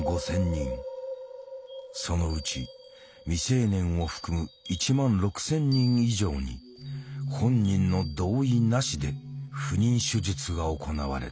そのうち未成年を含む１万６，０００人以上に本人の同意なしで不妊手術が行われた。